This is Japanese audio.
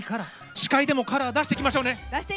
司会でもカラー出していきましょうね。